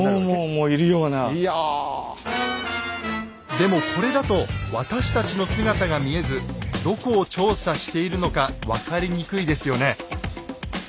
でもこれだと私たちの姿が見えずどこを調査しているのか分かりにくいですよね。